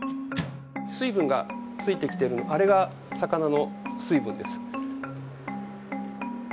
水分がついてきているのがあれが魚の水分です。